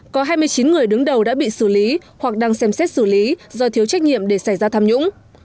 có hai mươi chín người đứng đầu đã bị xử lý hoặc đang xem xét xử lý do thiếu trách nhiệm để xảy ra tham nhũng